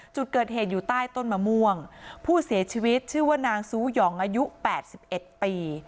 จุดเกิดเหตุอยู่ใต้ต้นมะม่วงผู้เสียชีวิตชื่อว่านางซูหย่องอายุ๘๑ปี